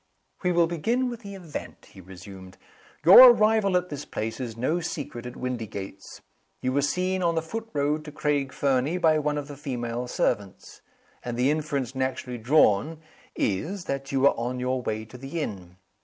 "We will begin with the event," he resumed. "Your arrival at this place is no secret at Windygates. You were seen on the foot road to Craig Fernie by one of the female servants. And the inference naturally drawn is, that you were on your way to the inn.